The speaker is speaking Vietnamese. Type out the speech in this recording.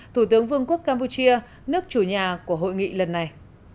thủ tướng vương quốc campuchia nước chủ nhà của hội nghị lần này